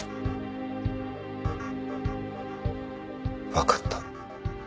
わかった。